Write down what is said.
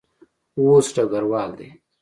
اوس ډګروال دی.